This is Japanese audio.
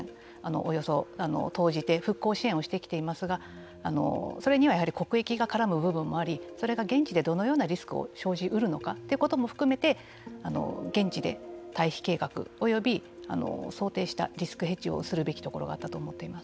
およそ投じて復興支援をしてきていますがそれには国益が絡む部分がありそれが現地でどのようなリスクを生じ得るのかということも含めて現地で退避計画及び想定したリスクヘッジをするべきところがあったと思っています。